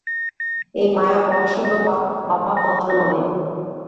এই মায়া মহাশূন্য বা অভাবমাত্র নহে।